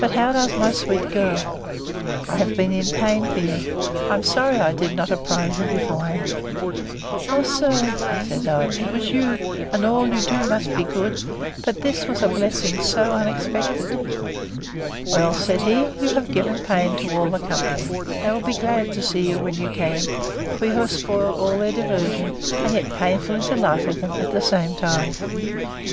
But how does my sweet girl? I have been in pain for you—I am sorry I did not apprise you beforehand. O sir, said I, it was you; and all you do must be good—But this was a blessing so unexpected!—— Well, said he, you have given pain to all the company. They will be glad to see you, when you can: for you have spoiled all their diversion; and yet painfully delighted them at the same time.